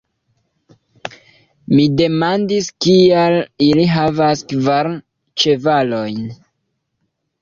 Mi demandis, kial ili havas kvar ĉevalojn.